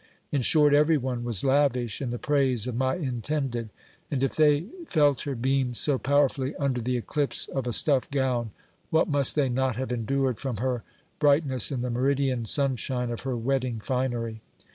In short, every one was lavish in the praise of my intended ; and if they ielt her beams so powerfully under the eclipse of a stuff gown, what must they not have endured from her bright ness, in the meridian sunshine of her wedding finery